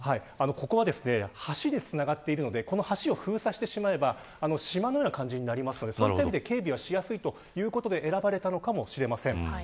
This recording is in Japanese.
ここは橋でつながっているので橋を封鎖してしまえば島のような感じになりますのでそういった点で警備がしやすいということで選ばれたのかもしれません。